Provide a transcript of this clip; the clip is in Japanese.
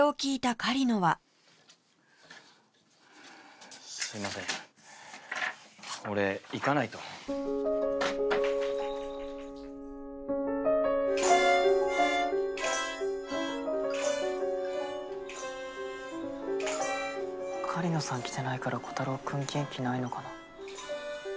狩野さん来てないからコタローくん元気ないのかな。